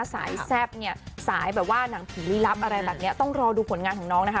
แซ่บเนี่ยสายแบบว่าหนังผีลีลับอะไรแบบนี้ต้องรอดูผลงานของน้องนะคะ